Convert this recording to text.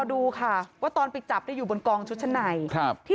บูรค่าความเสียหายเป็น๕แสนบาทได้อะค่ะ